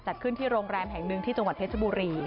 จัดขึ้นที่โรงแรมแห่งหนึ่งที่จังหวัดเพชรบุรี